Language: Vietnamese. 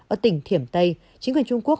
ở tỉnh thiểm tây chính quyền trung quốc